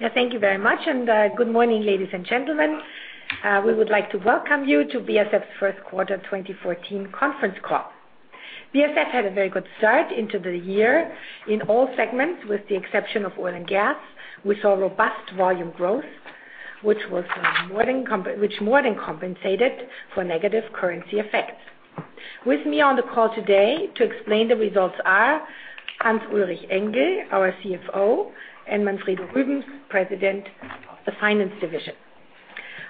Thank you very much. Good morning, ladies and gentlemen. We would like to welcome you to BASF's Q1 2014 conference call. BASF had a very good start into the year in all segments, with the exception of oil and gas. We saw robust volume growth, which more than compensated for negative currency effects. With me on the call today to explain the results are Hans-Ulrich Engel, our CFO, and Manfred Rübsamen, President of the Finance Division.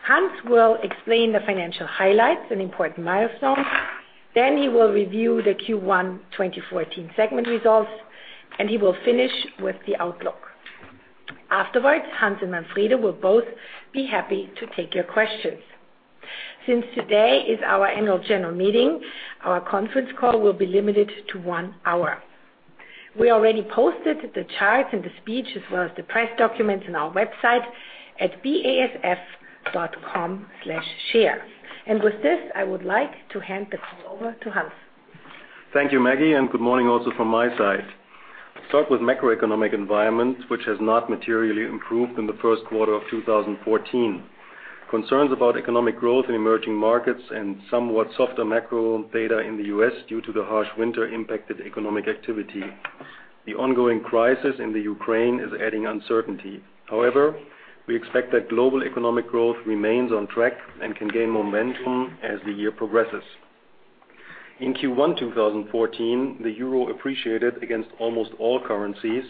Hans will explain the financial highlights and important milestones, then he will review the Q1 2014 segment results, and he will finish with the outlook. Afterwards, Hans and Manfred will both be happy to take your questions. Since today is our annual general meeting, our conference call will be limited to one hour. We already posted the charts and the speech as well as the press documents on our website at basf.com/share. With this, I would like to hand the call over to Hans. Thank you, Maggie, and good morning also from my side. Let's start with macroeconomic environment, which has not materially improved in the first quarter of 2014. Concerns about economic growth in emerging markets and somewhat softer macro data in the U.S. due to the harsh winter impacted economic activity. The ongoing crisis in Ukraine is adding uncertainty. However, we expect that global economic growth remains on track and can gain momentum as the year progresses. In Q1 2014, the euro appreciated against almost all currencies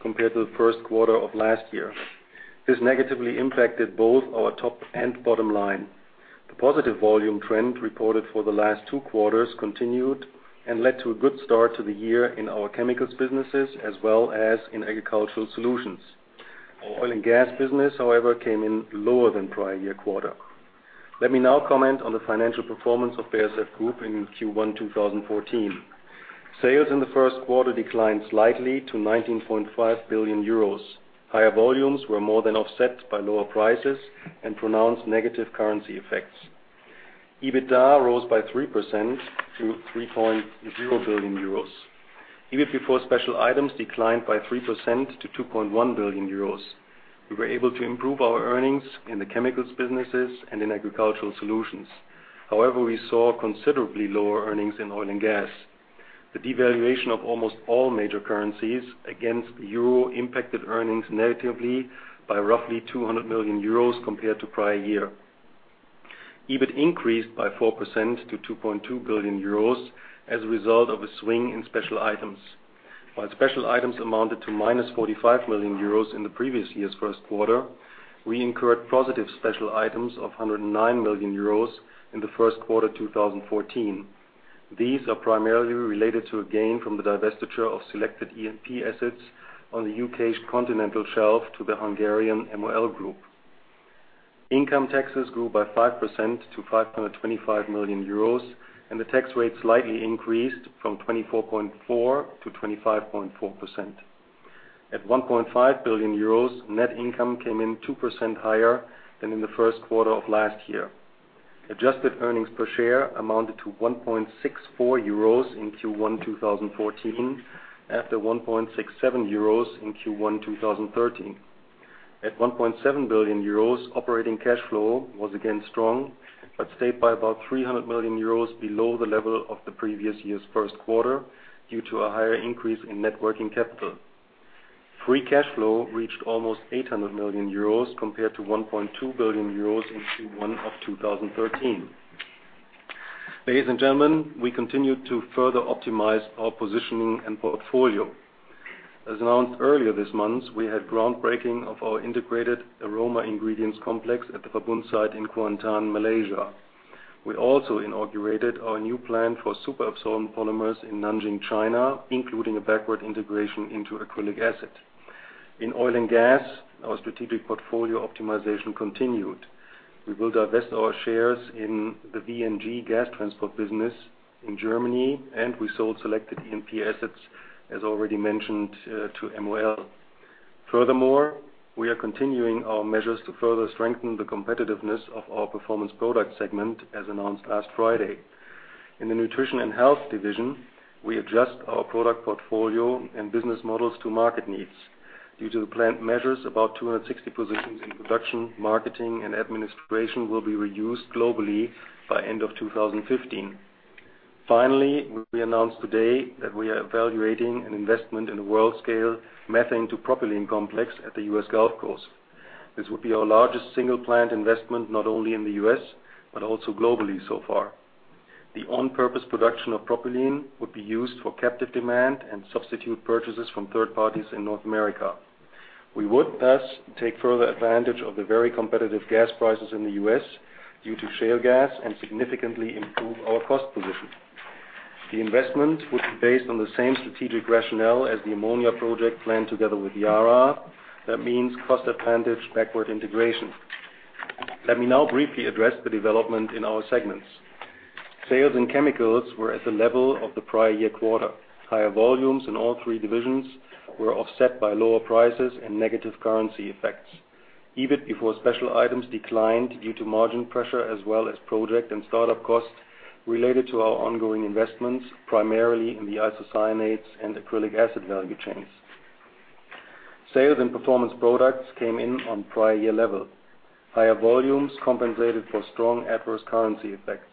compared to the first quarter of last year. This negatively impacted both our top and bottom line. The positive volume trend reported for the last two quarters continued and led to a good start to the year in our chemicals businesses as well as in agricultural solutions. Our oil and gas business, however, came in lower than prior year quarter. Let me now comment on the financial performance of BASF Group in Q1 2014. Sales in the first quarter declined slightly to 19.5 billion euros. Higher volumes were more than offset by lower prices and pronounced negative currency effects. EBITDA rose by 3% to 3.0 billion euros. EBIT before special items declined by 3% to 2.1 billion euros. We were able to improve our earnings in the chemicals businesses and in agricultural solutions. However, we saw considerably lower earnings in oil and gas. The devaluation of almost all major currencies against the euro impacted earnings negatively by roughly 200 million euros compared to prior year. EBIT increased by 4% to 2.2 billion euros as a result of a swing in special items. While special items amounted to -45 million euros in the previous year's first quarter, we incurred positive special items of 109 million euros in the first quarter 2014. These are primarily related to a gain from the divestiture of selected E&P assets on the U.K.'s continental shelf to the Hungarian MOL Group. Income taxes grew by 5% to 525 million euros, and the tax rate slightly increased from 24.4% to 25.4%. At 1.5 billion euros, net income came in 2% higher than in the first quarter of last year. Adjusted earnings per share amounted to 1.64 euros in Q1 2014, after 1.67 euros in Q1 2013. At 1.7 billion euros, operating cash flow was again strong, but stayed by about 300 million euros below the level of the previous year's first quarter due to a higher increase in net working capital. Free cash flow reached almost 800 million euros compared to 1.2 billion euros in Q1 of 2013. Ladies and gentlemen, we continued to further optimize our positioning and portfolio. As announced earlier this month, we had groundbreaking of our integrated aroma ingredients complex at the Verbund site in Kuantan, Malaysia. We also inaugurated our new plant for superabsorbent polymers in Nanjing, China, including a backward integration into acrylic acid. In oil and gas, our strategic portfolio optimization continued. We will divest our shares in the VNG gas transport business in Germany, and we sold selected E&P assets, as already mentioned, to MOL. Furthermore, we are continuing our measures to further strengthen the competitiveness of our Performance Products segment as announced last Friday. In the Nutrition & Health division, we adjust our product portfolio and business models to market needs. Due to the planned measures, about 260 positions in production, marketing, and administration will be reduced globally by end of 2015. Finally, we announce today that we are evaluating an investment in a world-scale methane-to-propylene complex at the U.S. Gulf Coast. This would be our largest single plant investment, not only in the U.S., but also globally so far. The on-purpose production of propylene would be used for captive demand and substitute purchases from third parties in North America. We would, thus, take further advantage of the very competitive gas prices in the U.S. due to shale gas and significantly improve our cost position. The investment would be based on the same strategic rationale as the ammonia project planned together with Yara. That means cost advantage backward integration. Let me now briefly address the development in our segments. Sales in chemicals were at the level of the prior-year quarter. Higher volumes in all three divisions were offset by lower prices and negative currency effects. EBIT before special items declined due to margin pressure as well as project and startup costs related to our ongoing investments, primarily in the isocyanates and acrylic acid value chains. Sales and performance products came in on prior-year level. Higher volumes compensated for strong adverse currency effects.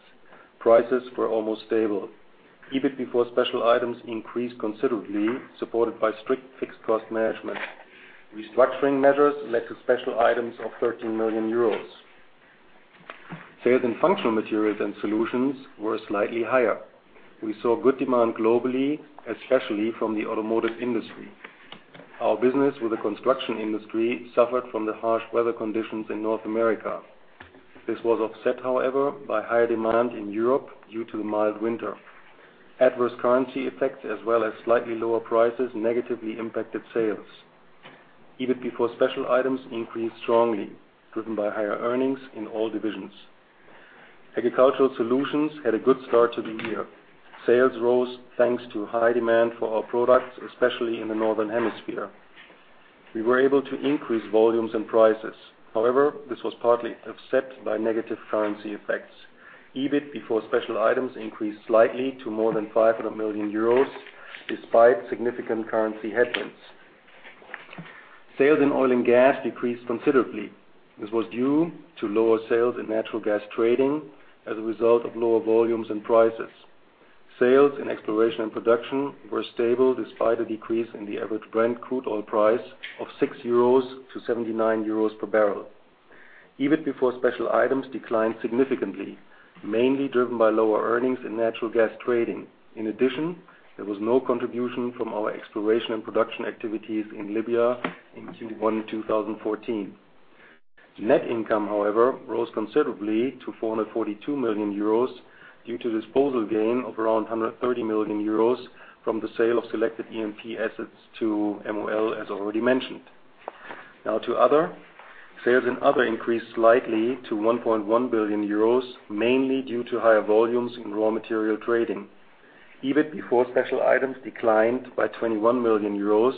Prices were almost stable. EBIT before special items increased considerably, supported by strict fixed cost management. Restructuring measures led to special items of 13 million euros. Sales in functional materials and solutions were slightly higher. We saw good demand globally, especially from the automotive industry. Our business with the construction industry suffered from the harsh weather conditions in North America. This was offset, however, by higher demand in Europe due to the mild winter. Adverse currency effects as well as slightly lower prices negatively impacted sales. EBIT before special items increased strongly, driven by higher earnings in all divisions. Agricultural Solutions had a good start to the year. Sales rose thanks to high demand for our products, especially in the Northern Hemisphere. We were able to increase volumes and prices. However, this was partly offset by negative currency effects. EBIT before special items increased slightly to more than 500 million euros despite significant currency headwinds. Sales in Oil and Gas decreased considerably. This was due to lower sales in natural gas trading as a result of lower volumes and prices. Sales in exploration and production were stable despite a decrease in the average Brent crude oil price of 6 euros to 79 euros per barrel. EBIT before special items declined significantly, mainly driven by lower earnings in natural gas trading. In addition, there was no contribution from our exploration and production activities in Libya in Q1 2014. Net income, however, rose considerably to 442 million euros due to disposal gain of around 130 million euros from the sale of selected E&P assets to MOL, as already mentioned. Now to other. Sales in other increased slightly to 1.1 billion euros, mainly due to higher volumes in raw material trading. EBIT before special items declined by 21 million euros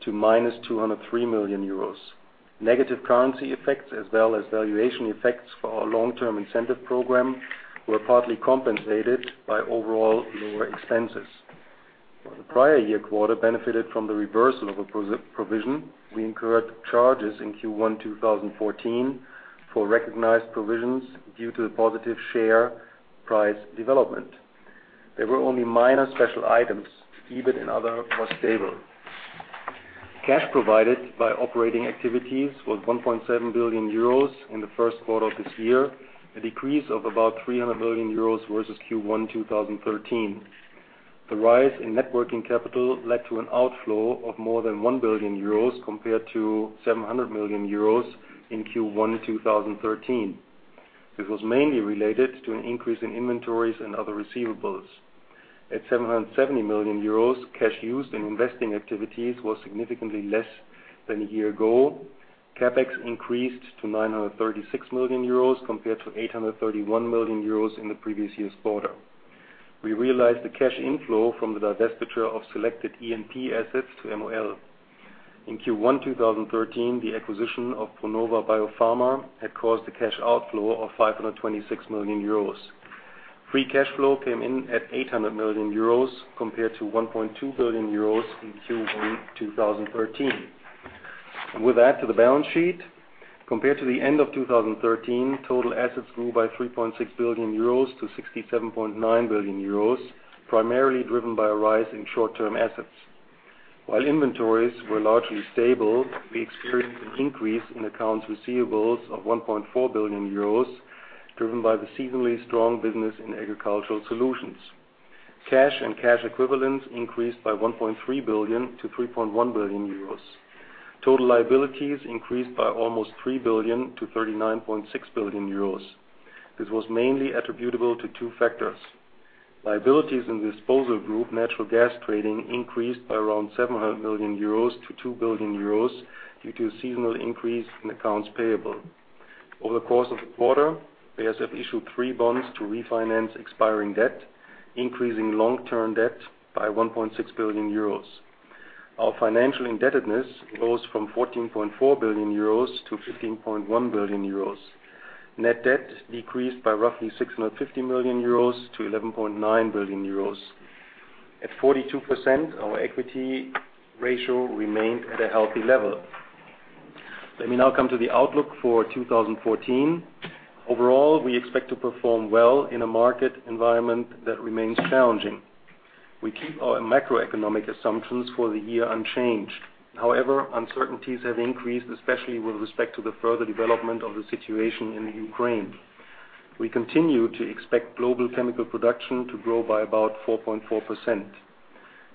to -203 million euros. Negative currency effects as well as valuation effects for our long-term incentive program were partly compensated by overall lower expenses. While the prior year quarter benefited from the reversal of a provision, we incurred charges in Q1 2014 for recognized provisions due to the positive share price development. There were only minor special items. EBIT and other was stable. Cash provided by operating activities was 1.7 billion euros in the first quarter of this year, a decrease of about 300 million euros versus Q1 2013. The rise in net working capital led to an outflow of more than 1 billion euros compared to 700 million euros in Q1 2013. This was mainly related to an increase in inventories and other receivables. At 770 million euros, cash used in investing activities was significantly less than a year ago. CapEx increased to 936 million euros compared to 831 million euros in the previous year's quarter. We realized the cash inflow from the divestiture of selected E&P assets to MOL. In Q1 2013, the acquisition of Pronova BioPharma had caused a cash outflow of 526 million euros. Free cash flow came in at 800 million euros compared to 1.2 billion euros in Q1 2013. With that to the balance sheet. Compared to the end of 2013, total assets grew by 3.6 billion euros to 67.9 billion euros, primarily driven by a rise in short-term assets. While inventories were largely stable, we experienced an increase in accounts receivable of 1.4 billion euros, driven by the seasonally strong business in Agricultural Solutions. Cash and cash equivalents increased by 1.3 billion to 3.1 billion euros. Total liabilities increased by almost 3 billion to 39.6 billion euros. This was mainly attributable to two factors. Liabilities in the disposal group Natural Gas Trading increased by around 700 million euros to 2 billion euros due to a seasonal increase in accounts payable. Over the course of the quarter, BASF issued three bonds to refinance expiring debt, increasing long-term debt by 1.6 billion euros. Our financial indebtedness rose from 14.4 billion euros to 15.1 billion euros. Net debt decreased by roughly 650 million euros to 11.9 billion euros. At 42%, our equity ratio remained at a healthy level. Let me now come to the outlook for 2014. Overall, we expect to perform well in a market environment that remains challenging. We keep our macroeconomic assumptions for the year unchanged. However, uncertainties have increased, especially with respect to the further development of the situation in the Ukraine. We continue to expect global chemical production to grow by about 4.4%.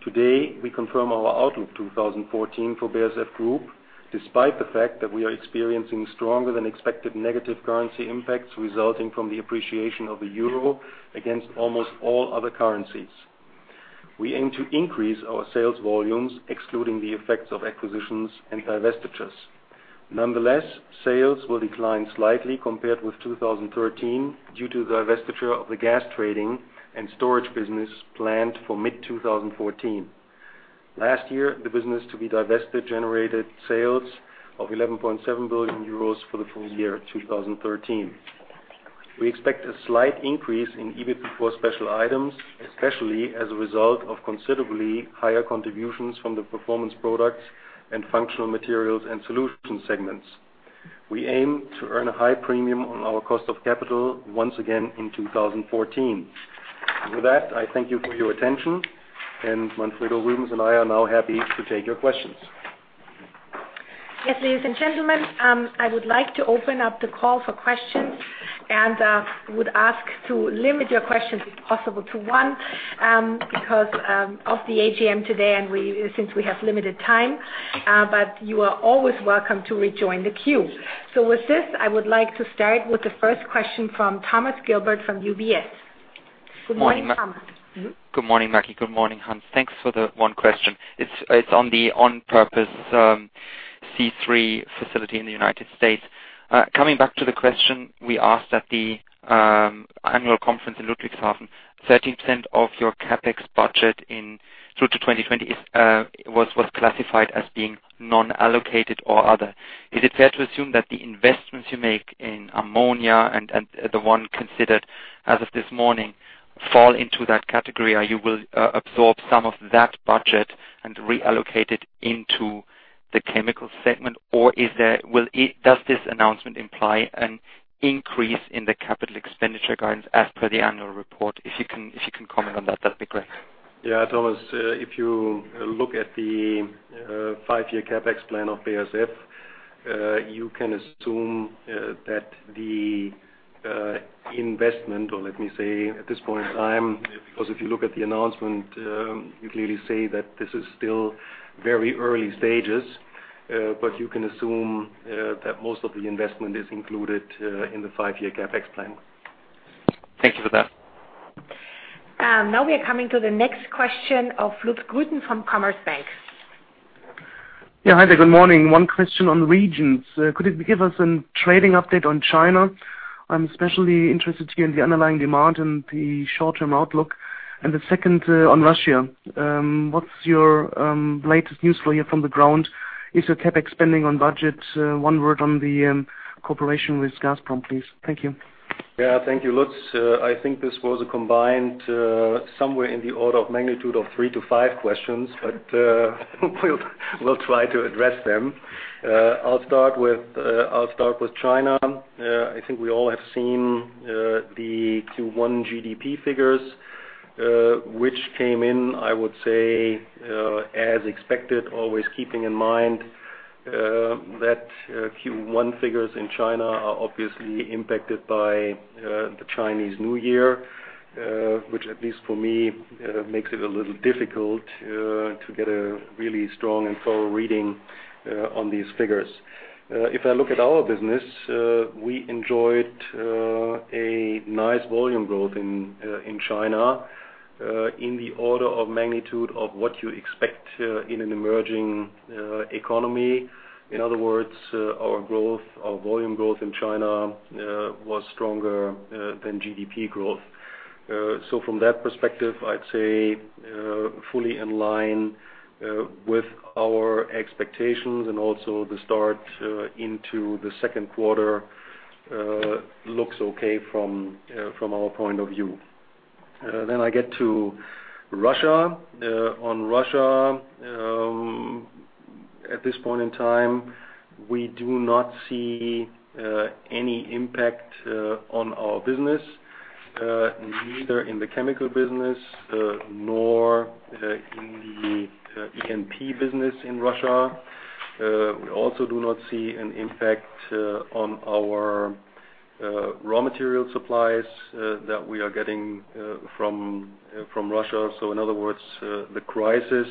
Today, we confirm our outlook 2014 for BASF Group, despite the fact that we are experiencing stronger than expected negative currency impacts resulting from the appreciation of the euro against almost all other currencies. We aim to increase our sales volumes, excluding the effects of acquisitions and divestitures. Nonetheless, sales will decline slightly compared with 2013 due to the divestiture of the gas trading and storage business planned for mid-2014. Last year, the business to be divested generated sales of 11.7 billion euros for the full year 2013. We expect a slight increase in EBIT before special items, especially as a result of considerably higher contributions from the performance products and functional materials and solutions segments. We aim to earn a high premium on our cost of capital once again in 2014. With that, I thank you for your attention, and Manfred Rübsamen and I are now happy to take your questions. Yes, ladies and gentlemen, I would like to open up the call for questions and would ask to limit your questions if possible to one, because of the AGM today since we have limited time, but you are always welcome to rejoin the queue. With this, I would like to start with the first question from Thomas Gilbert from UBS. Good morning, Thomas. Good morning, Maggie. Good morning, Hans. Thanks for the one question. It's on the on-purpose C3 facility in the United States. Coming back to the question we asked at the annual conference in Ludwigshafen, 13% of your CapEx budget in through to 2020 was classified as being non-allocated or other. Is it fair to assume that the investments you make in ammonia and the one considered as of this morning fall into that category? You will absorb some of that budget and reallocate it into the chemical segment? Or does this announcement imply an increase in the capital expenditure guidance as per the annual report? If you can comment on that'd be great. Yeah, Thomas, if you look at the five-year CapEx plan of BASF, you can assume that the investment, or let me say at this point in time, because if you look at the announcement, you clearly see that this is still very early stages, but you can assume that most of the investment is included in the five-year CapEx plan. Thank you for that. Now we are coming to the next question of Lutz Grüten from Commerzbank. Yeah, hi there. Good morning. One question on regions. Could you give us some trading update on China? I'm especially interested here in the underlying demand and the short-term outlook. The second, on Russia. What's your latest news from the ground? Is the CapEx spending on budget? One word on the cooperation with Gazprom, please? Thank you. Yeah. Thank you, Lutz. I think this was a combined somewhere in the order of magnitude of 3-5 questions, but we'll try to address them. I'll start with China. I think we all have seen the Q1 GDP figures, which came in, I would say, as expected, always keeping in mind that Q1 figures in China are obviously impacted by the Chinese New Year, which at least for me makes it a little difficult to get a really strong and thorough reading on these figures. If I look at our business, we enjoyed a nice volume growth in China in the order of magnitude of what you expect in an emerging economy. In other words, our growth, our volume growth in China was stronger than GDP growth. From that perspective, I'd say fully in line with our expectations and also the start into the second quarter looks okay from our point of view. I get to Russia. On Russia, at this point in time, we do not see any impact on our business neither in the chemical business nor in the E&P business in Russia. We also do not see an impact on our raw material supplies that we are getting from Russia. In other words, the crisis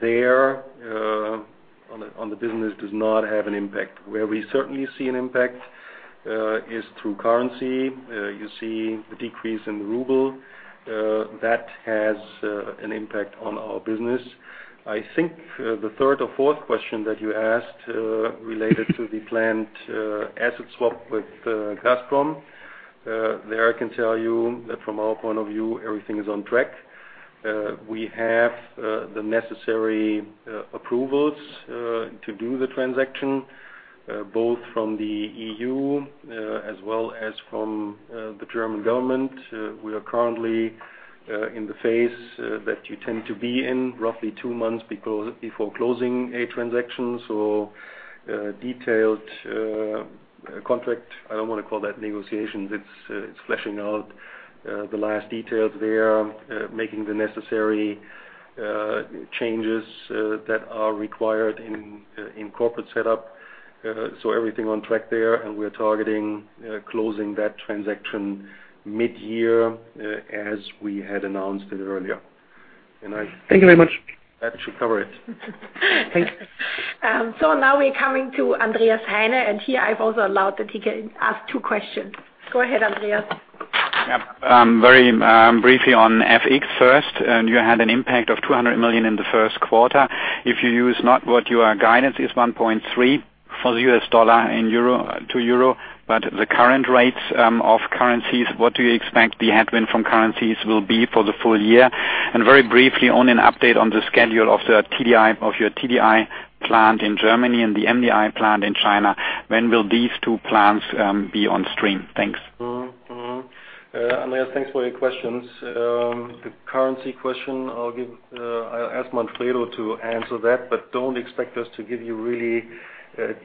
there on the business does not have an impact. Where we certainly see an impact is through currency. You see the decrease in the ruble, that has an impact on our business. I think the third or fourth question that you asked related to the planned asset swap with Gazprom. There I can tell you that from our point of view, everything is on track. We have the necessary approvals to do the transaction, both from the EU as well as from the German government. We are currently in the phase that you tend to be in roughly two months before closing a transaction. Detailed contract, I don't want to call that negotiations. It's fleshing out the last details there, making the necessary changes that are required in corporate setup. Everything on track there, and we're targeting closing that transaction mid-year, as we had announced it earlier. Thank you very much. That should cover it. Now we're coming to Andreas Heine, and here I've also allowed that he can ask two questions. Go ahead, Andreas. Very briefly on FX first, you had an impact of 200 million in the first quarter. If you use not what your guidance is 1.3 for the US dollar and euro to euro, but the current rates of currencies, what do you expect the headwind from currencies will be for the full year? Very briefly, only an update on the schedule of your TDI plant in Germany and the MDI plant in China, when will these two plants be on stream? Thanks. Andreas, thanks for your questions. The currency question, I'll ask Manfred to answer that, but don't expect us to give you really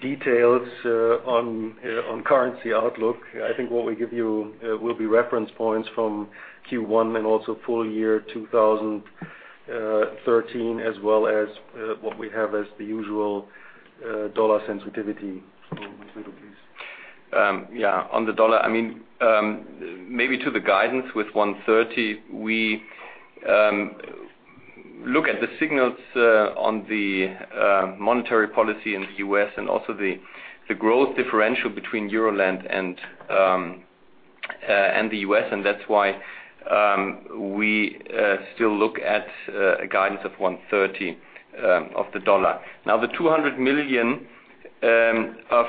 details on currency outlook. I think what we give you will be reference points from Q1 and also full year 2013, as well as what we have as the usual dollar sensitivity. Manfred, please. On the dollar, I mean, maybe to the guidance with 1.30, we look at the signals on the monetary policy in the U.S. and also the growth differential between Euroland and the U.S. and that's why we still look at a guidance of 1.30 of the dollar. Now, the 200 million of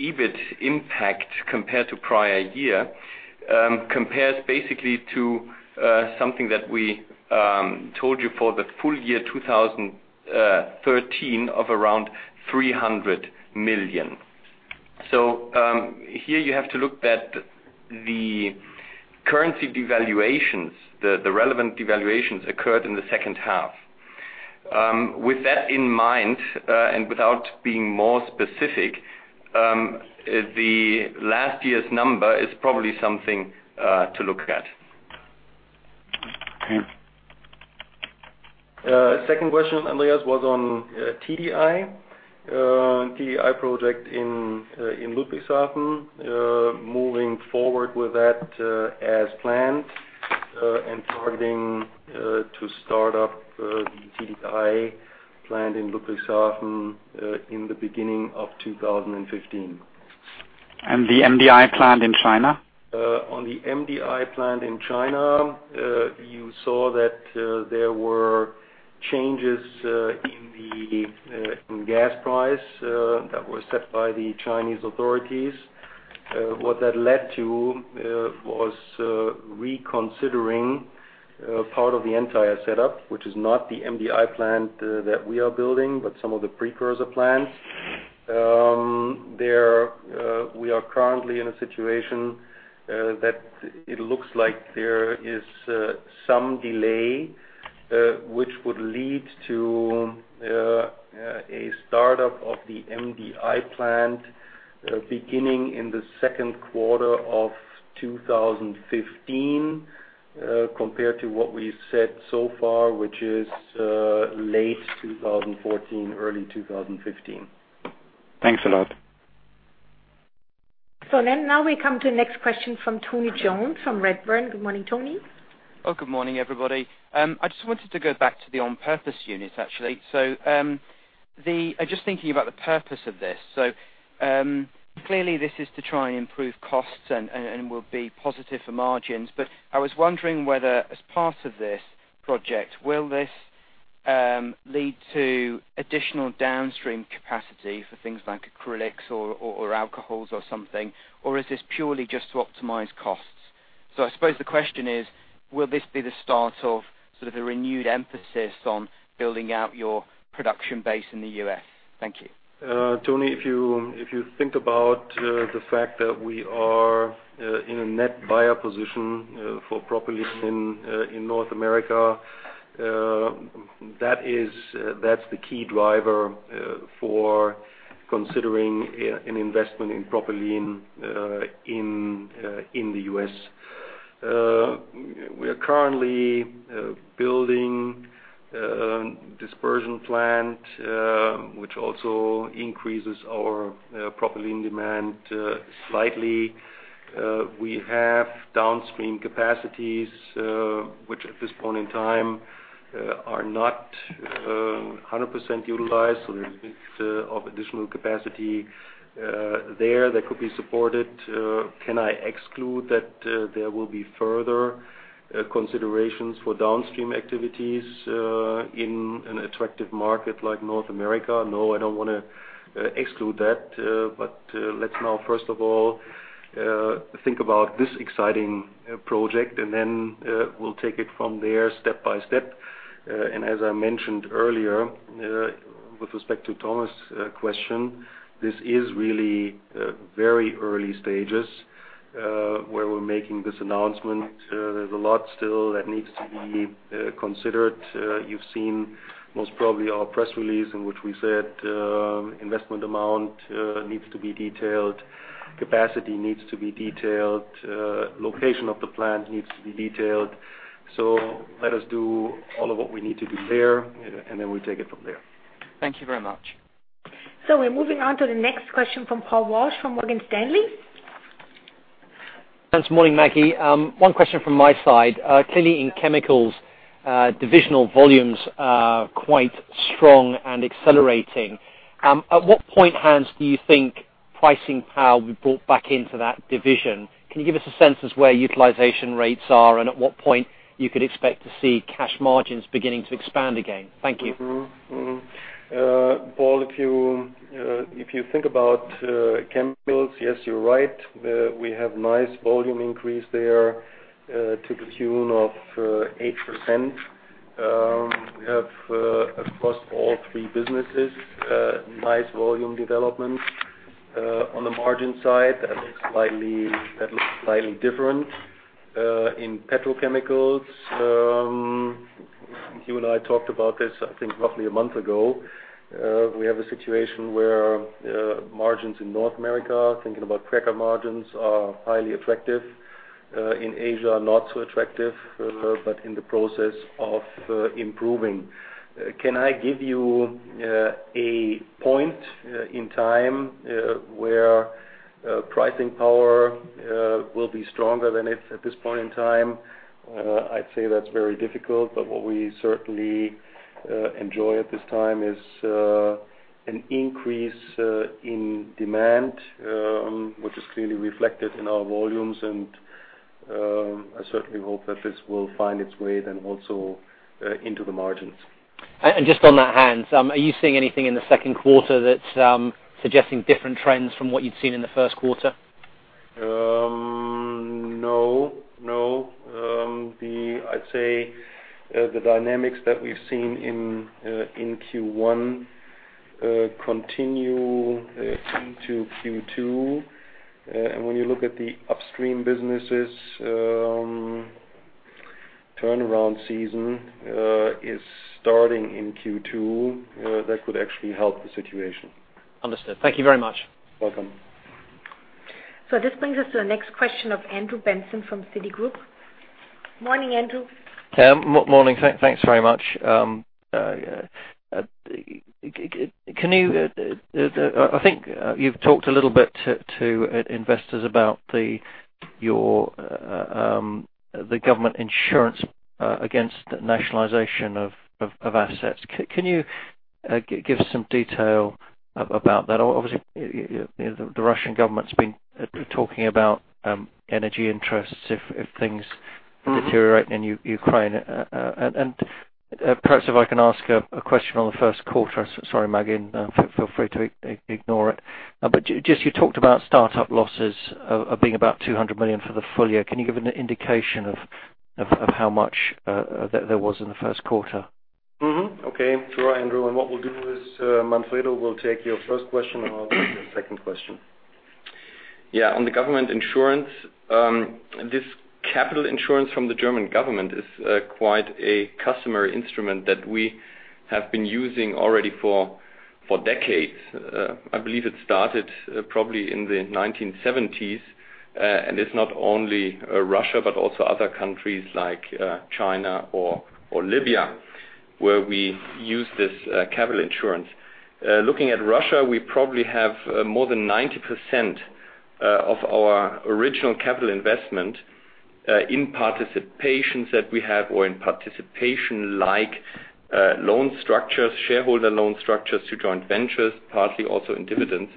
EBIT impact compared to prior year compares basically to something that we told you for the full year 2013 of around 300 million. Here you have to look that the currency devaluations, the relevant devaluations occurred in the second half. With that in mind and without being more specific, the last year's number is probably something to look at. Thanks. Second question, Andreas, was on TDI. TDI project in Ludwigshafen moving forward with that as planned and targeting to start up the TDI plant in Ludwigshafen in the beginning of 2015. The MDI plant in China? On the MDI plant in China, you saw that there were changes in the gas price that were set by the Chinese authorities. What that led to was reconsidering part of the entire setup, which is not the MDI plant that we are building, but some of the precursor plants. We are currently in a situation that it looks like there is some delay, which would lead to a startup of the MDI plant beginning in the second quarter of 2015, compared to what we said so far, which is late 2014, early 2015. Thanks a lot. Now we come to the next question from Tony Jones from Redburn. Good morning, Tony. Good morning, everybody. I just wanted to go back to the on-purpose unit, actually. I'm just thinking about the purpose of this. Clearly this is to try and improve costs and will be positive for margins. I was wondering whether as part of this project, will this lead to additional downstream capacity for things like acrylics or alcohols or something? Or is this purely just to optimize costs? I suppose the question is, will this be the start of sort of a renewed emphasis on building out your production base in the U.S.? Thank you. Tony, if you think about the fact that we are in a net buyer position for propylene in North America, that's the key driver for considering an investment in propylene in the U.S. We are currently building dispersion plant, which also increases our propylene demand slightly. We have downstream capacities, which at this point in time are not 100% utilized, so there's a bit of additional capacity there that could be supported. Can I exclude that there will be further considerations for downstream activities in an attractive market like North America? No, I don't wanna exclude that. Let's now, first of all, think about this exciting project, and then we'll take it from there step by step. As I mentioned earlier, with respect to Thomas' question, this is really very early stages where we're making this announcement. There's a lot still that needs to be considered. You've seen most probably our press release in which we said, investment amount needs to be detailed, capacity needs to be detailed, location of the plant needs to be detailed. Let us do all of what we need to do there, and then we'll take it from there. Thank you very much. We're moving on to the next question from Paul Walsh from Morgan Stanley. Thanks. Morning, Maggie. One question from my side. Clearly in Chemicals, divisional volumes are quite strong and accelerating. At what point, Hans, do you think- Pricing power we brought back into that division. Can you give us a sense as where utilization rates are and at what point you could expect to see cash margins beginning to expand again? Thank you. Paul, if you think about chemicals, yes, you're right. We have nice volume increase there to the tune of 8%. We have across all three businesses nice volume development. On the margin side, that looks slightly different. In petrochemicals, you and I talked about this, I think, roughly a month ago. We have a situation where margins in North America, thinking about cracker margins, are highly attractive. In Asia, not so attractive, but in the process of improving. Can I give you a point in time where pricing power will be stronger than it at this point in time? I'd say that's very difficult, but what we certainly enjoy at this time is an increase in demand, which is clearly reflected in our volumes. I certainly hope that this will find its way then also into the margins. Just on the one hand, are you seeing anything in the second quarter that's suggesting different trends from what you'd seen in the first quarter? No. I'd say the dynamics that we've seen in Q1 continue into Q2. When you look at the upstream businesses, turnaround season is starting in Q2, that could actually help the situation. Understood. Thank you very much. Welcome. This brings us to the next question of Andrew Benson from Citigroup. Morning, Andrew. Morning. Thanks very much. I think you've talked a little bit to investors about the government insurance against nationalization of assets. Can you give some detail about that? Obviously, you know, the Russian government's been talking about energy interests if things deteriorate in Ukraine. Perhaps if I can ask a question on the first quarter. Sorry, Margit, feel free to ignore it. Just, you talked about startup losses being about 200 million for the full year. Can you give an indication of how much there was in the first quarter? Mm-hmm. Okay. Sure, Andrew. What we'll do is, Manfredo will take your first question, and I'll take your second question. Yeah. On the government insurance, this capital insurance from the German government is quite a customary instrument that we have been using already for decades. I believe it started probably in the 1970s. It's not only Russia, but also other countries like China or Libya, where we use this capital insurance. Looking at Russia, we probably have more than 90% of our original capital investment in participations that we have or in participation like loan structures, shareholder loan structures to joint ventures, partly also in dividends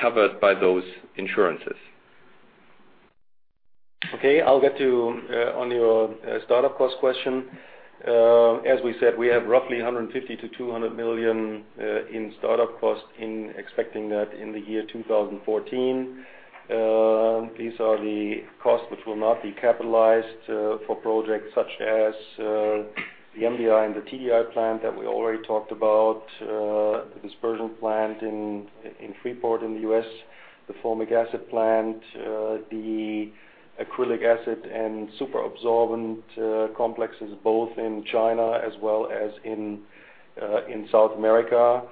covered by those insurances. Okay, I'll get to your startup cost question. As we said, we have roughly 150-200 million in startup costs, expecting that in the year 2014. These are the costs which will not be capitalized for projects such as the MDI and the TDI plant that we already talked about, the dispersion plant in Freeport in the U.S., the formic acid plant, the acrylic acid and superabsorbent complexes both in China as well as in South America.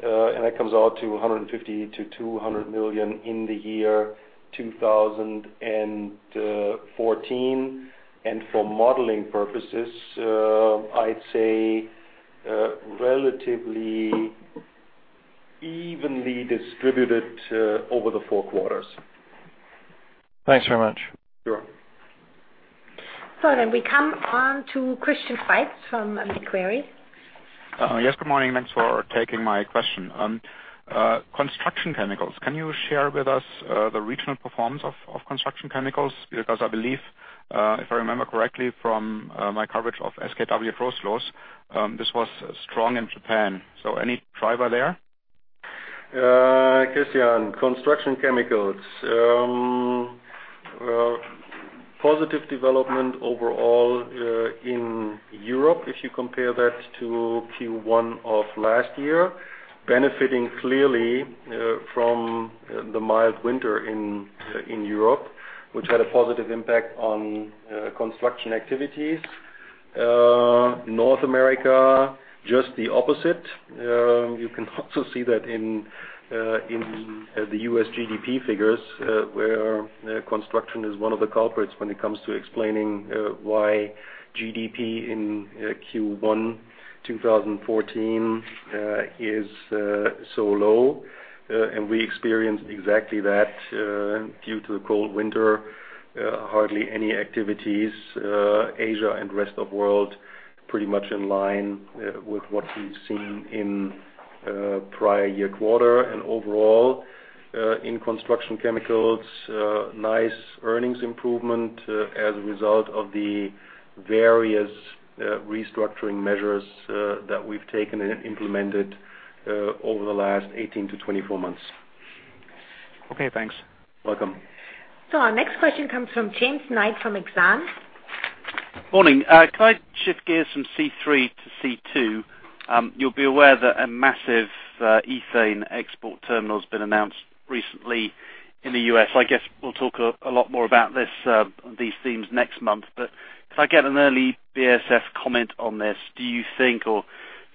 That comes out to 150-200 million in the year 2014. For modeling purposes, I'd say relatively evenly distributed over the four quarters. Thanks very much. Sure. We come on to Christian Faitz from Macquarie. Yes, good morning. Thanks for taking my question. Construction chemicals. Can you share with us the regional performance of construction chemicals? Because I believe, if I remember correctly from my coverage of SKW Trostberg, this was strong in Japan. Any driver there? Christian, construction chemicals. Positive development overall in Europe, if you compare that to Q1 of last year, benefiting clearly from the mild winter in Europe, which had a positive impact on construction activities. North America, just the opposite. You can also see that in the U.S. GDP figures, where construction is one of the culprits when it comes to explaining why GDP in Q1 2014 is so low. We experienced exactly that due to the cold winter, hardly any activities. Asia and rest of world pretty much in line with what we've seen in prior year quarter. Overall, in construction chemicals, nice earnings improvement as a result of the various restructuring measures that we've taken and implemented over the last 18-24 months. Okay, thanks. Welcome. Our next question comes from James Knight from Exane. Morning. Can I shift gears from C3 to C2? You'll be aware that a massive ethane export terminal's been announced recently in the U.S. I guess we'll talk a lot more about this, these themes next month. If I get an early BASF comment on this, do you think, or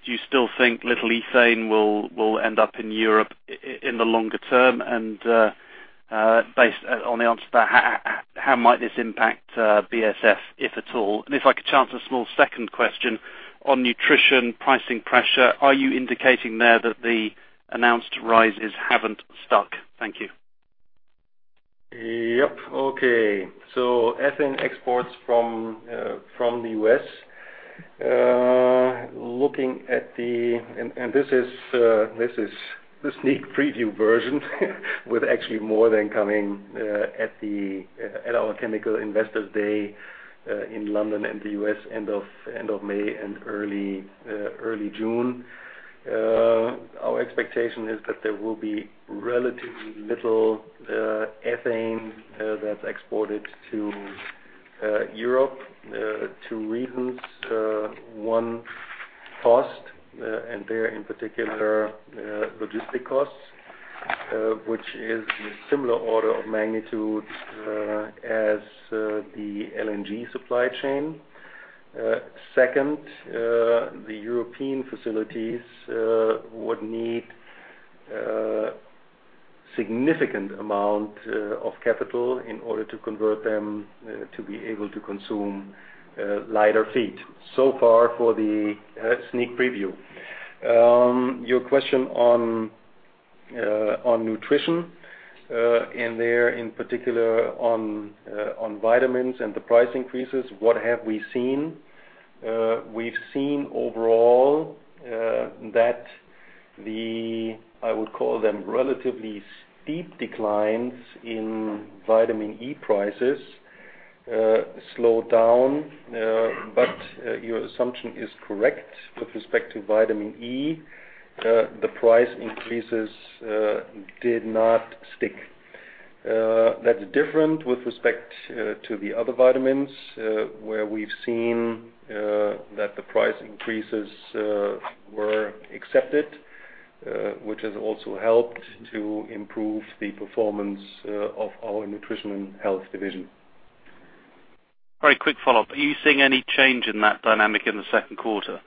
do you still think little ethane will end up in Europe in the longer term? And, based on the answer to that, how might this impact BASF, if at all? And if I could chance a small second question on nutrition pricing pressure, are you indicating there that the announced rises haven't stuck? Thank you. Yep. Okay. Ethane exports from the U.S. This is the sneak preview version with actually more than coming at our Chemicals Investor Day in London and the U.S., end of May and early June. Our expectation is that there will be relatively little ethane that's exported to Europe. Two reasons. One, cost, and there in particular, logistic costs, which is a similar order of magnitude as the LNG supply chain. Second, the European facilities would need a significant amount of capital in order to convert them to be able to consume lighter feed. So far for the sneak preview. Your question on nutrition and there in particular on vitamins and the price increases, what have we seen? We've seen overall that the I would call them relatively steep declines in vitamin E prices slow down. Your assumption is correct with respect to vitamin E. The price increases did not stick. That's different with respect to the other vitamins, where we've seen that the price increases were accepted, which has also helped to improve the performance of our Nutrition & Health division. Very quick follow-up. Are you seeing any change in that dynamic in the second quarter?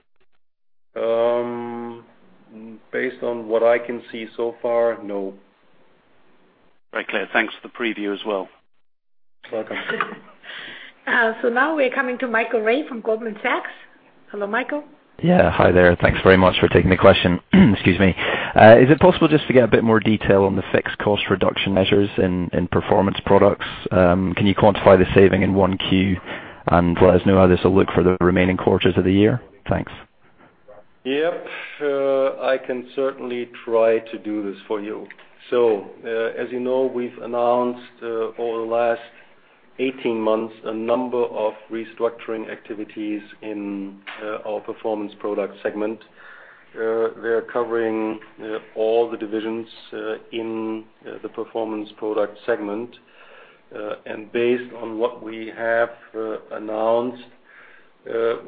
Based on what I can see so far, no. Very clear. Thanks for the preview as well. Welcome. Now we're coming to Michael Rae from Goldman Sachs. Hello, Michael. Yeah, hi there. Thanks very much for taking the question. Excuse me. Is it possible just to get a bit more detail on the fixed cost reduction measures in Performance Products? Can you quantify the saving in Q1 and let us know how this will look for the remaining quarters of the year? Thanks. Yep. I can certainly try to do this for you. As you know, we've announced over the last 18 months a number of restructuring activities in our Performance Products segment. They're covering all the divisions in the Performance Products segment. Based on what we have announced,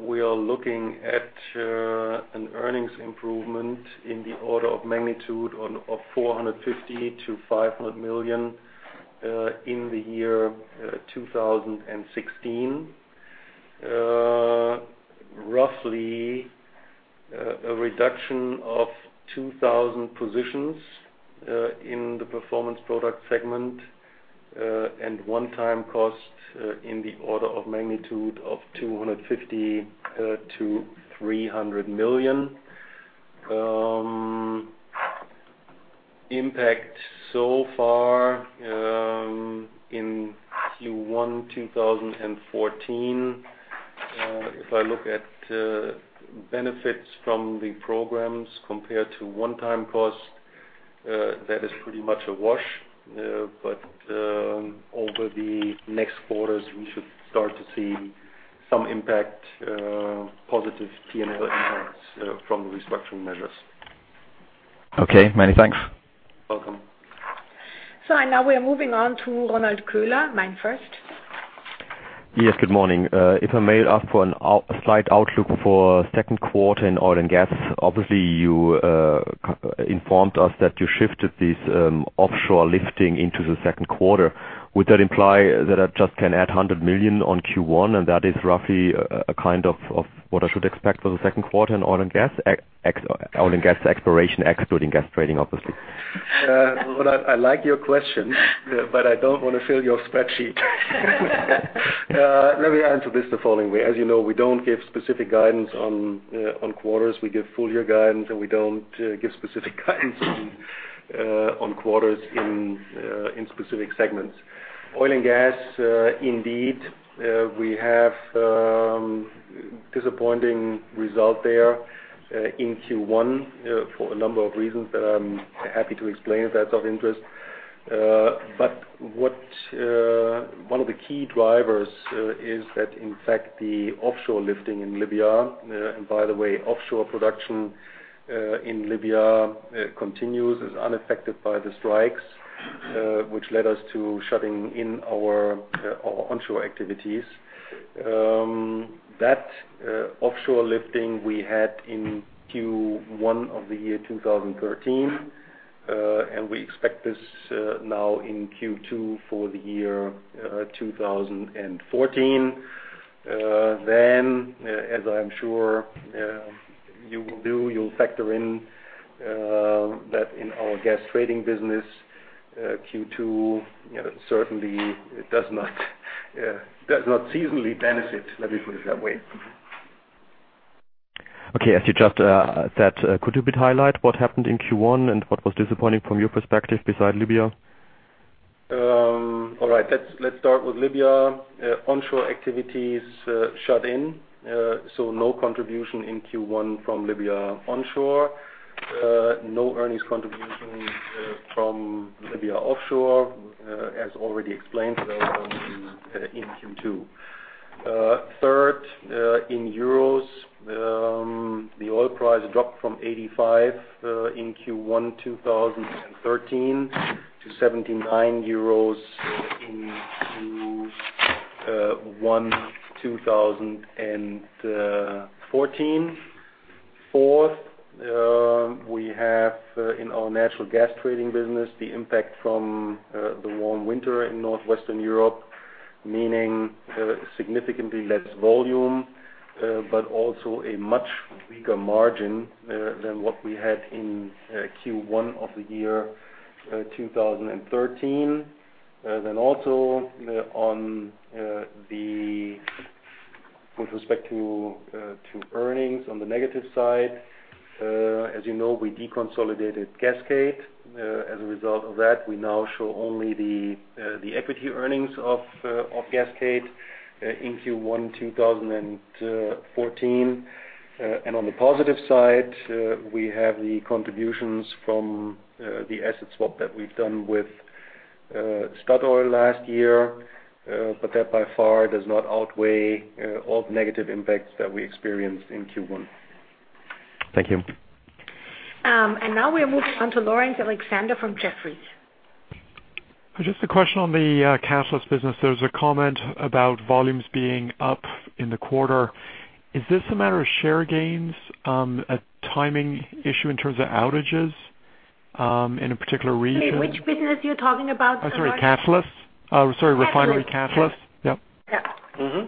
we are looking at an earnings improvement in the order of magnitude of 450 million-500 million in the year 2016. Roughly a reduction of 2,000 positions in the Performance Products segment and one-time cost in the order of magnitude of 250 million-300 million. The impact so far in Q1 2014. If I look at benefits from the programs compared to one-time cost, that is pretty much a wash. Over the next quarters, we should start to see some impact, positive PNL impacts, from the restructuring measures. Okay. Many thanks. Welcome. Now we are moving on to Ronald Köhler, MainFirst. Yes, good morning. If I may ask for a slight outlook for second quarter in oil and gas. Obviously, you informed us that you shifted this offshore lifting into the second quarter. Would that imply that I just can add 100 million on Q1, and that is roughly kind of what I should expect for the second quarter in oil and gas, ex oil and gas exploration, excluding gas trading, obviously. Ronald, I like your question, but I don't want to fill your spreadsheet. Let me answer this the following way. As you know, we don't give specific guidance on quarters. We give full year guidance, and we don't give specific guidance on quarters in specific segments. Oil and gas, indeed, we have disappointing result there in Q1 for a number of reasons that I'm happy to explain if that's of interest. One of the key drivers is that in fact, the offshore lifting in Libya, and by the way, offshore production in Libya continues unaffected by the strikes, which led us to shutting in our onshore activities. That offshore lifting we had in Q1 of the year 2013, and we expect this now in Q2 for the year 2014. As I'm sure you will do, you'll factor in that in our gas trading business Q2, you know, certainly it does not seasonally benefit. Let me put it that way. Okay. As you just said, could you please highlight what happened in Q1 and what was disappointing from your perspective besides Libya? All right. Let's start with Libya. Onshore activities shut in, so no contribution in Q1 from Libya onshore. No earnings contribution from Libya offshore, as already explained, they are going to be in Q2. Third, in euros, the oil price dropped from 85 in Q1 2013 to 79 euros in Q1 2014. Fourth, we have in our natural gas trading business the impact from the warm winter in northwestern Europe, meaning significantly less volume but also a much weaker margin than what we had in Q1 of the year 2013. Then also on with respect to earnings on the negative side, as you know, we deconsolidated Caspian. As a result of that, we now show only the equity earnings of Caspian in Q1 2014. On the positive side, we have the contributions from the asset swap that we've done with Statoil last year, but that by far does not outweigh all the negative impacts that we experienced in Q1. Thank you. Now we're moving on to Laurence Alexander from Jefferies. Just a question on the catalyst business. There was a comment about volumes being up in the quarter. Is this a matter of share gains, a timing issue in terms of outages, in a particular region? Which business you're talking about, Laurence? Sorry, catalysts. Sorry, refinery catalysts. Catalysts. Yep. Yeah.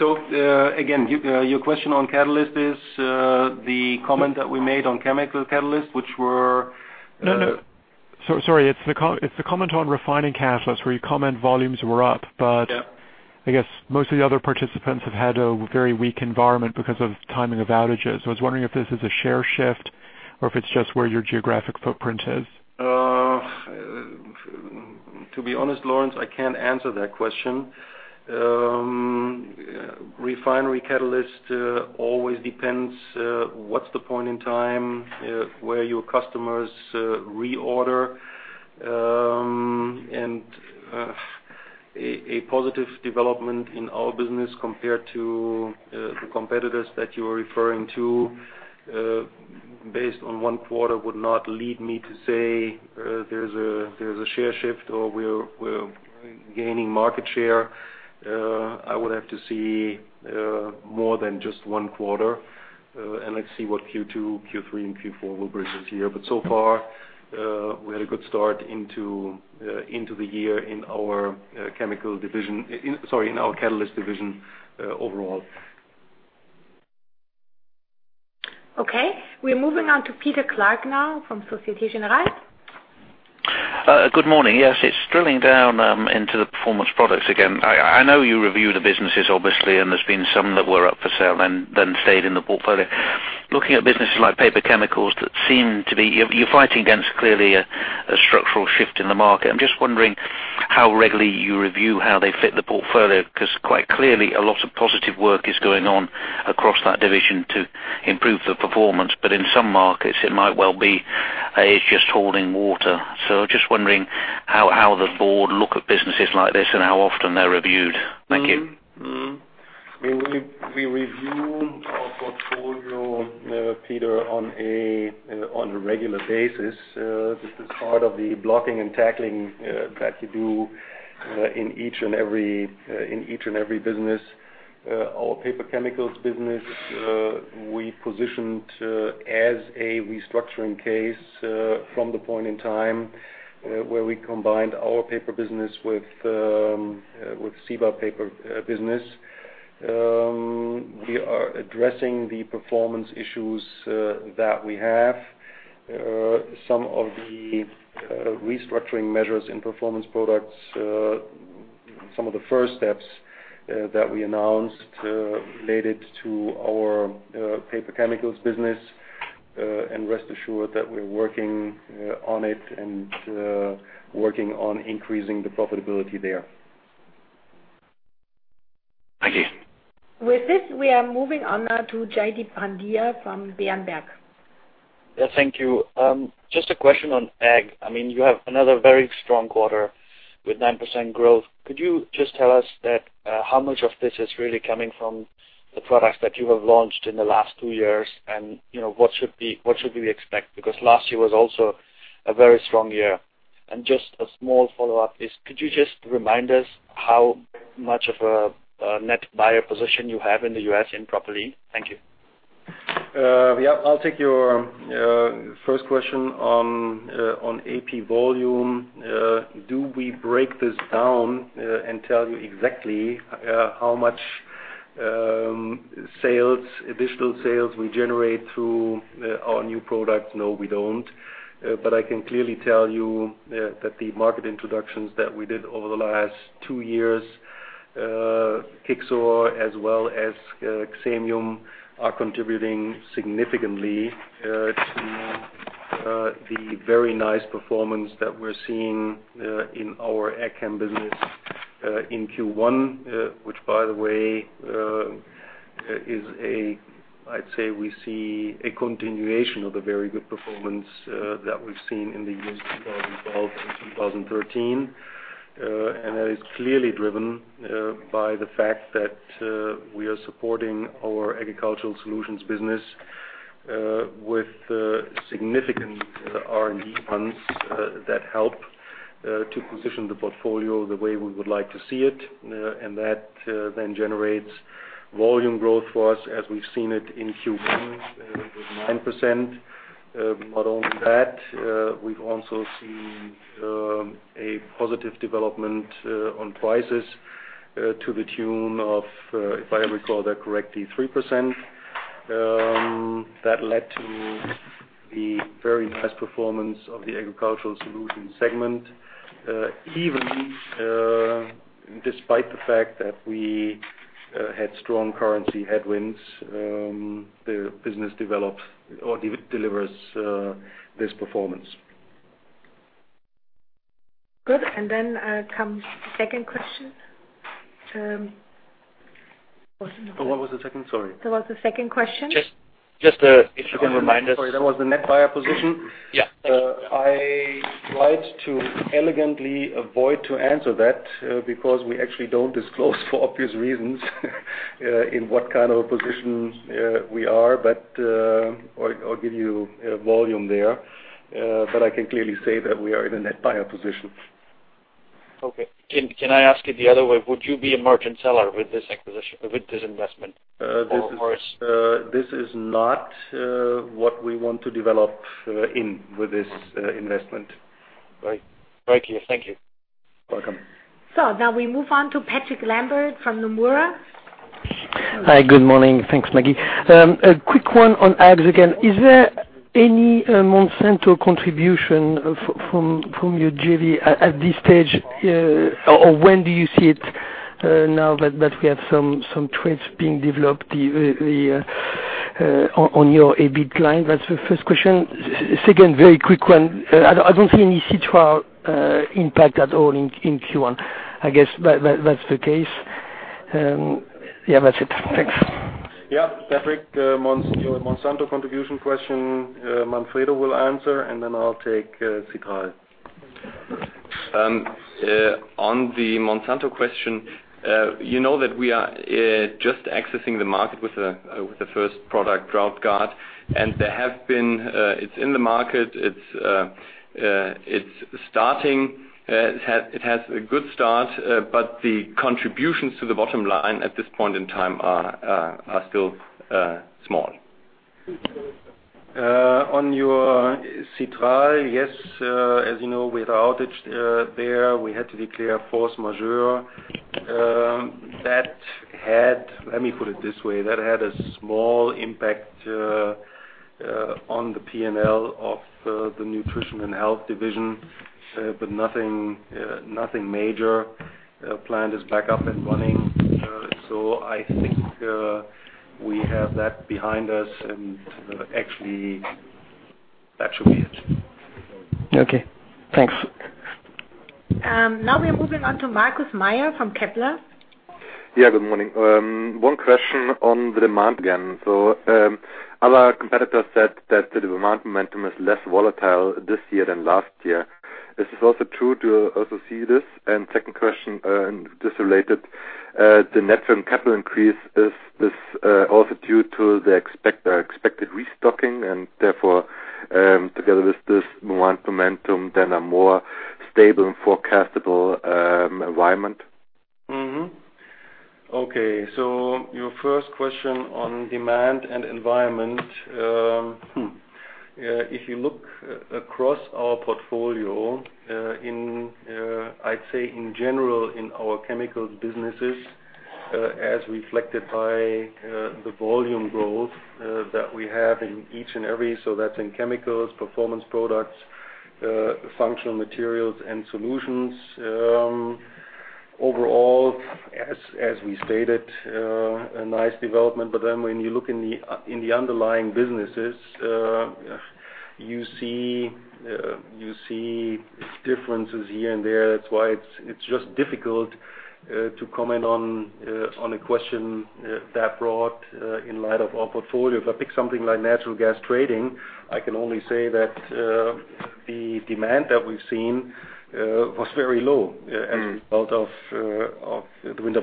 Again, your question on catalyst is the comment that we made on chemical catalysts, which were- No, no. Sorry, it's the comment on refining catalysts where you comment volumes were up. Yeah. I guess most of the other participants have had a very weak environment because of timing of outages. I was wondering if this is a share shift or if it's just where your geographic footprint is? To be honest, Laurence, I can't answer that question. Refinery catalyst always depends what's the point in time where your customers reorder. A positive development in our business compared to the competitors that you are referring to based on one quarter would not lead me to say there's a share shift or we're gaining market share. I would have to see more than just one quarter, and let's see what Q2, Q3, and Q4 will bring this year. So far, we had a good start into the year in our catalyst division overall. Okay, we're moving on to Peter Clark now from Société Générale. Good morning. Yes, it's drilling down into the performance products again. I know you review the businesses, obviously, and there's been some that were up for sale and then stayed in the portfolio. Looking at businesses like paper chemicals that seem to be you're fighting against clearly a structural shift in the market. I'm just wondering how regularly you review how they fit the portfolio, 'cause quite clearly a lot of positive work is going on across that division to improve the performance. But in some markets, it might well be it's just holding water. Just wondering how the board look at businesses like this and how often they're reviewed. Thank you. I mean, we review our portfolio, Peter, on a regular basis. This is part of the blocking and tackling that you do in each and every business. Our paper chemicals business we positioned as a restructuring case from the point in time where we combined our paper business with Ciba Paper business. We are addressing the performance issues that we have. Some of the restructuring measures in performance products, some of the first steps that we announced related to our paper chemicals business, and rest assured that we're working on it and working on increasing the profitability there. Thank you. With this, we are moving on now to Jaideep Pandya from Berenberg. Yeah, thank you. Just a question on Ag. I mean, you have another very strong quarter with 9% growth. Could you just tell us how much of this is really coming from the products that you have launched in the last two years and, you know, what should we expect? Because last year was also a very strong year. Just a small follow-up, could you just remind us how much of a net buyer position you have in the U.S. in propylene? Thank you. Yeah. I'll take your first question on AP volume. Do we break this down and tell you exactly how much sales, additional sales we generate through our new product? No, we don't. I can clearly tell you that the market introductions that we did over the last two years, Kixor as well as Xemium, are contributing significantly to the very nice performance that we're seeing in our AgChem business in Q1. Which by the way, I'd say we see a continuation of the very good performance that we've seen in the years 2012 to 2013. That is clearly driven by the fact that we are supporting our Agricultural Solutions business with significant R&D funds that help to position the portfolio the way we would like to see it. That then generates volume growth for us as we've seen it in Q1 with 9%. Not only that, we've also seen a positive development on prices to the tune of, if I recall that correctly, 3%. That led to the very nice performance of the Agricultural Solutions segment. Even despite the fact that we had strong currency headwinds, the business delivers this performance. Good. comes the second question. What's the second? What was the second? Sorry. What was the second question? Just if you can remind us. Sorry, that was the net buyer position. Yeah. Thank you. I tried to elegantly avoid to answer that, because we actually don't disclose for obvious reasons in what kind of position we are. I'll give you volume there. I can clearly say that we are in a net buyer position. Okay. Can I ask it the other way? Would you be a merchant seller with this acquisition, with this investment or it's- This is not what we want to develop in with this investment. Right. Very clear. Thank you. Welcome. Now we move on to Patrick Lambert from Nomura. Hi, good morning. Thanks, Maggie. A quick one on Ag again. Is there any Monsanto contribution from your JV at this stage? Or when do you see it now that we have some traits being developed, the on your EBIT line? That's the first question. Second, very quick one. I don't see any Citral impact at all in Q1. I guess that's the case. Yeah, that's it. Thanks. Yeah. Patrick, your Monsanto contribution question, Manfred will answer, and then I'll take Citral. On the Monsanto question, you know that we are just accessing the market with the first product, DroughtGard. It's in the market. It's starting. It has a good start, but the contributions to the bottom line at this point in time are still small. On your Citral, yes, as you know, with the outage there, we had to declare force majeure. Let me put it this way. That had a small impact on the P&L of the Nutrition & Health division, but nothing major. Plant is back up and running. I think we have that behind us and actually that should be it. Okay, thanks. Now we're moving on to Markus Mayer from Kepler. Yeah, good morning. One question on the demand again. Other competitors said that the demand momentum is less volatile this year than last year. Is this also true? Do you also see this? Second question, this related to the net working capital increase, is this also due to the expected restocking and therefore, together with this demand momentum, a more stable and forecastable environment? Okay, your first question on demand and environment. If you look across our portfolio, I'd say in general in our chemicals businesses, as reflected by the volume growth that we have in each and every, so that's in Chemicals, Performance Products, Functional Materials and Solutions. Overall, as we stated, a nice development. When you look in the underlying businesses, you see differences here and there. That's why it's just difficult to comment on a question that broad in light of our portfolio. If I pick something like natural gas trading, I can only say that the demand that we've seen was very low as a result of the winter.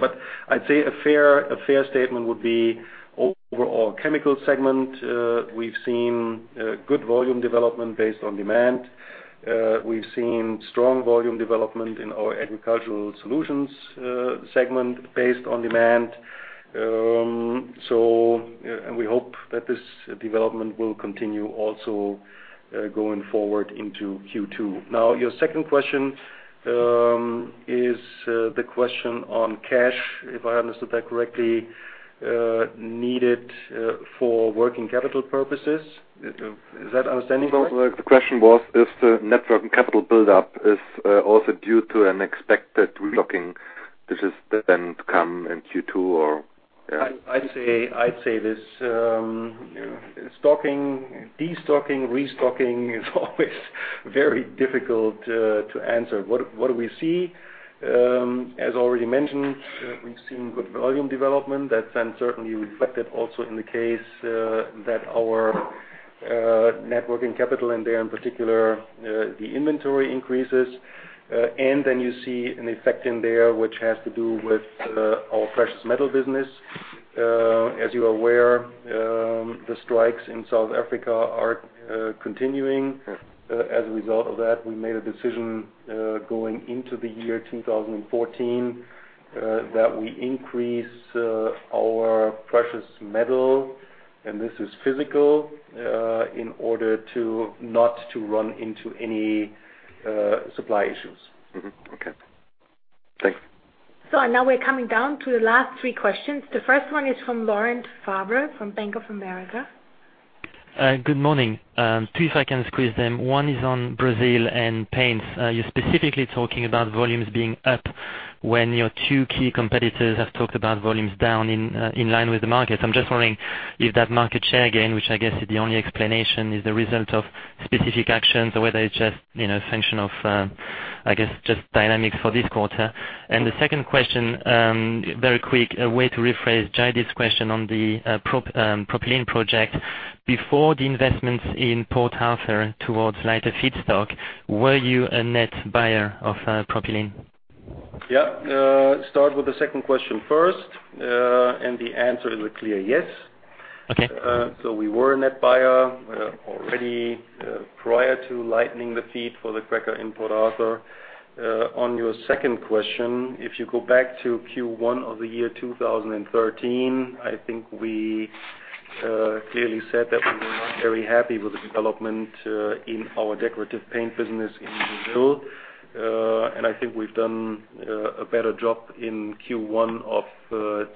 I'd say a fair statement would be overall Chemical Segment, we've seen good volume development based on demand. We've seen strong volume development in our Agricultural Solutions segment based on demand. We hope that this development will continue also going forward into Q2. Now, your second question is the question on cash, if I understood that correctly, needed for working capital purposes. Is that understanding correct? No. The question was if the net working capital build-up is also due to an expected restocking. This is then to come in Q2, or yeah. I'd say this, stocking, destocking, restocking is always very difficult to answer. What do we see? As already mentioned, we've seen good volume development. That's then certainly reflected also in the case that our net working capital, and there in particular, the inventory increases. Then you see an effect in there which has to do with our precious metal business. As you are aware, the strikes in South Africa are continuing. As a result of that, we made a decision going into the year 2014 that we increase our precious metal, and this is physical, in order not to run into any supply issues. Mm-hmm. Okay. Thanks. Now we're coming down to the last three questions. The first one is from Laurent Favre from Bank of America. Good morning. Two, if I can squeeze them. One is on Brazil and paints. You're specifically talking about volumes being up when your two key competitors have talked about volumes down in line with the market. I'm just wondering if that market share again, which I guess is the only explanation, is the result of specific actions or whether it's just, you know, a function of, I guess, just dynamics for this quarter. The second question, very quick, a way to rephrase Jaideep's question on the propylene project. Before the investments in Port Arthur towards lighter feedstock, were you a net buyer of propylene? Yeah. Start with the second question first. The answer is a clear yes. Okay. We were a net buyer, already, prior to lightening the feed for the cracker in Port Arthur. On your second question, if you go back to Q1 of the year 2013, I think we clearly said that we were not very happy with the development in our decorative paint business in Brazil. I think we've done a better job in Q1 of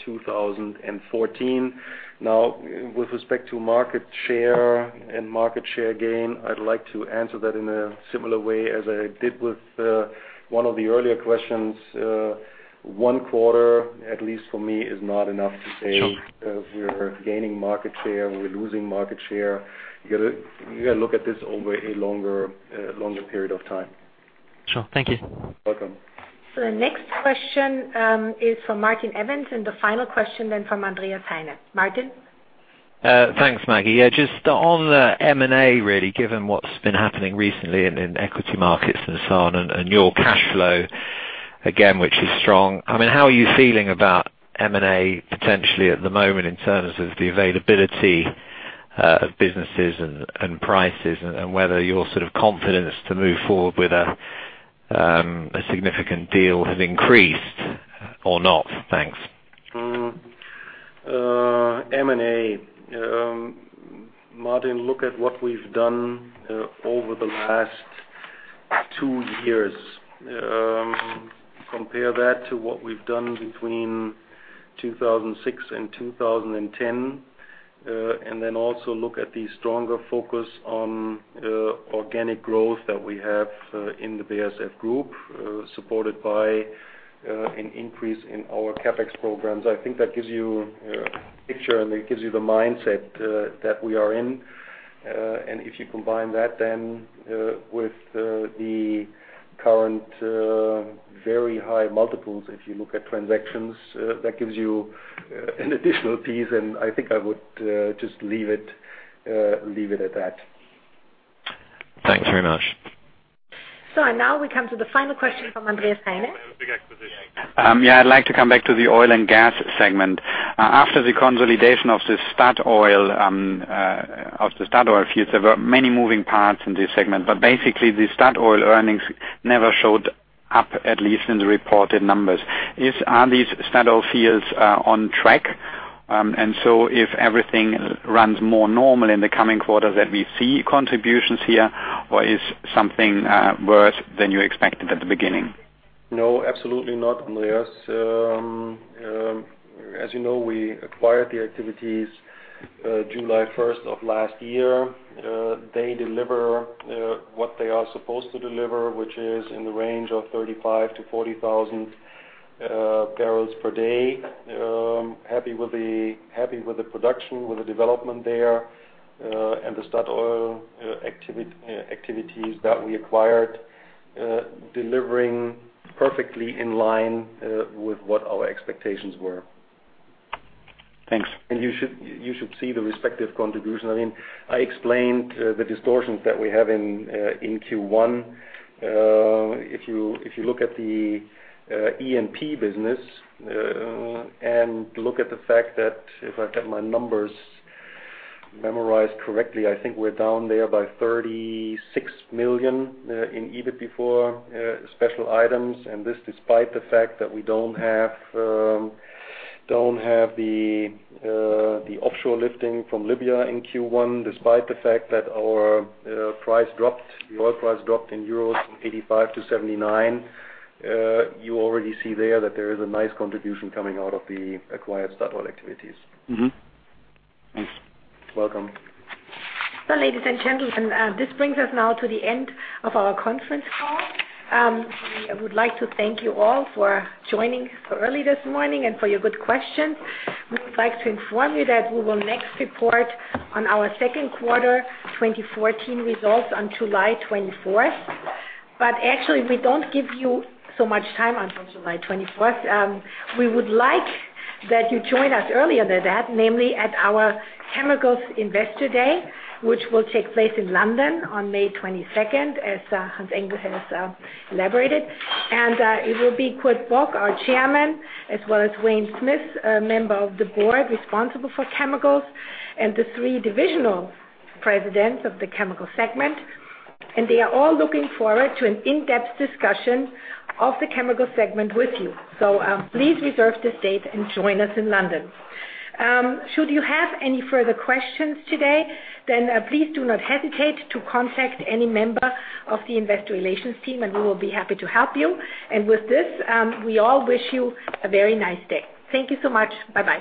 2014. Now, with respect to market share and market share gain, I'd like to answer that in a similar way as I did with one of the earlier questions. One quarter, at least for me, is not enough to say. Sure We're gaining market share, we're losing market share. You got to look at this over a longer period of time. Sure. Thank you. Welcome. The next question is from Martin Evans, and the final question then from Andreas Heine. Martin? Thanks, Maggie. Yeah, just on the M&A, really, given what's been happening recently in equity markets and so on, and your cash flow, again, which is strong. I mean, how are you feeling about M&A potentially at the moment in terms of the availability of businesses and prices and whether your sort of confidence to move forward with a significant deal has increased or not? Thanks. M&A. Martin, look at what we've done over the last two years. Compare that to what we've done between 2006 and 2010. Look at the stronger focus on organic growth that we have in the BASF group, supported by an increase in our CapEx programs. I think that gives you a picture, and it gives you the mindset that we are in. If you combine that then with the current very high multiples, if you look at transactions, that gives you an additional piece, and I think I would just leave it at that. Thanks very much. Now we come to the final question from Andreas Heine. Big exposition. Yeah, I'd like to come back to the oil and gas segment. After the consolidation of the Statoil fields, there were many moving parts in this segment, but basically, the Statoil earnings never showed up, at least in the reported numbers. Are these Statoil fields on track? If everything runs more normal in the coming quarters that we see contributions here, or is something worse than you expected at the beginning? No, absolutely not, Andreas. As you know, we acquired the activities July first of last year. They deliver what they are supposed to deliver, which is in the range of 35,000-40,000 barrels per day. Happy with the production, with the development there, and the Statoil activities that we acquired, delivering perfectly in line with what our expectations were. Thanks. You should see the respective contribution. I mean, I explained the distortions that we have in Q1. If you look at the E&P business and look at the fact that if I've got my numbers memorized correctly, I think we're down there by 36 million in EBIT before special items. This despite the fact that we don't have the offshore lifting from Libya in Q1, despite the fact that the oil price dropped in euros from 85-79. You already see there that there is a nice contribution coming out of the acquired Statoil activities. Mm-hmm. Thanks. Welcome. Ladies and gentlemen, this brings us now to the end of our conference call. I would like to thank you all for joining so early this morning and for your good questions. We would like to inform you that we will next report on our second quarter 2014 results on July 24. Actually, we don't give you so much time until July 24. We would like that you join us earlier than that, namely at our Chemicals Investor Day, which will take place in London on May 22, as Hans-Ulrich Engel has elaborated. It will be Kurt Bock, our Chairman, as well as Wayne T. Smith, a Member of the Board responsible for chemicals, and the three divisional presidents of the chemical segment. They are all looking forward to an in-depth discussion of the chemical segment with you. Please reserve this date and join us in London. Should you have any further questions today, then please do not hesitate to contact any member of the investor relations team, and we will be happy to help you. With this, we all wish you a very nice day. Thank you so much. Bye-bye.